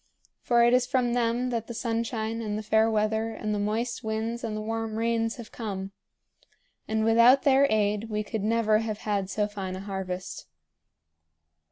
For it is from them that the sunshine and the fair weather and the moist winds and the warm rains have come; and without their aid we could never have had so fine a harvest."